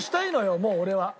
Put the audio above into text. もう俺は。